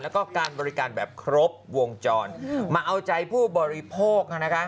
แล้วก็การบริการแบบครบวงจรมาเอาใจผู้บริโภค